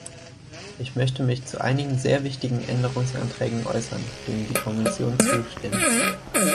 Ich möchte mich zu einigen sehr wichtigen Änderungsanträgen äußern, denen die Kommission zustimmt.